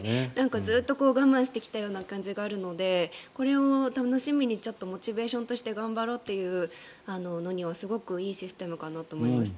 ずっと我慢してきたような感じがあるのでこれを楽しみにモチベーションとして頑張ろうというのにはすごくいいシステムかなと思います。